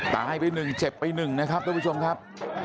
ตายไปหนึ่งเจ็บไป๑นะครับทุกผู้ชมครับ